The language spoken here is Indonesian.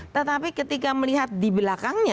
tetapi ketika melihat di belakangnya